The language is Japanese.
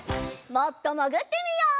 もっともぐってみよう。